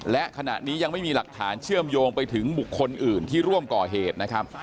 และขณะนี้ยังไม่มีหลักฐานเชื่อมโยงไปถึงบุคคลอื่นที่ร่วมก่อเหตุนะครับ